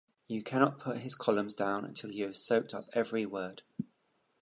You cannot put his columns down until you have soaked up every word.